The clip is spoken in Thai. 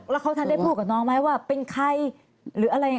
แล้วเขาทันได้พูดกับน้องไหมว่าเป็นใครหรืออะไรยังไง